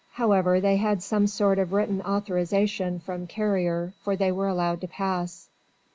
However, they had some sort of written authorisation from Carrier, for they were allowed to pass.